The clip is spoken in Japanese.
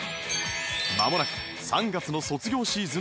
まもなく３月の卒業シーズン到来